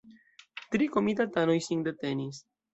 Tri komitatanoj sin detenis.